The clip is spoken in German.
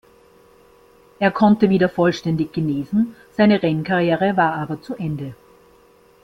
Er konnte wieder vollständig genesen, seine Rennkarriere war aber zu Ende.